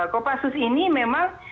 kopassus ini memang